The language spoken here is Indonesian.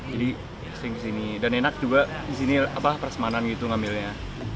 jadi kesini dan enak juga disini apa peras manan gitu ngambilnya